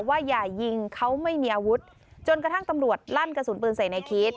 ว่าอย่ายิงเขาไม่มีอาวุธจนกระทั่งตำรวจลั่นกระสุนปืนใส่ในคิด